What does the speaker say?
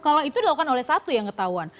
kalau itu dilakukan oleh satu yang ketahuan